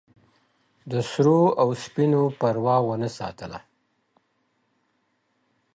د سرو او سپینو پروا ونه ساتله.